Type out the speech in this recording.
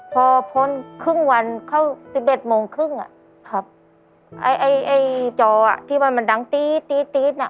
พอพ้นครึ่งวันเข้าสิบเอ็ดโมงครึ่งอะ